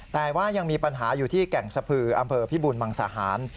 แต่ว่ายังมีปัญหาอยู่ที่แก่งสะพืออำเภอพิบูรมังสาหาร